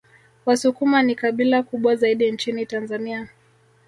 Wasukuma ni kabila kubwa zaidi nchini Tanzania